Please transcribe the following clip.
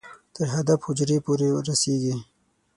تر هدف حجرې پورې رسېږي.